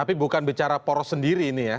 tapi bukan bicara poros sendiri ini ya